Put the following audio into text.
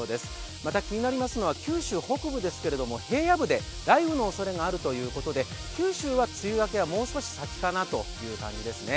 また気になりますのは、九州北部ですけれども平野部で雷雨のおそれがあるということで、九州はもう少し先かなという感じですね。